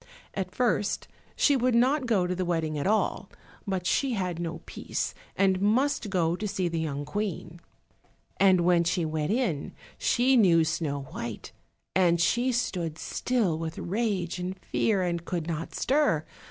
At first she would not go to the wedding at all, but she had no peace, and must go to see the young Queen. And when she went in she knew Snow white; and she stood still with rage and fear, and could not stir.